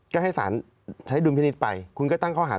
ก็ให้สารใช้ดุลพินิษฐ์ไปคุณก็ตั้งข้อหา